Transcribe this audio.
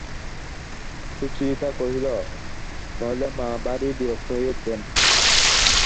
সুচরিতা কহিল, নইলে মা ভারি বিরক্ত হয়ে উঠবেন।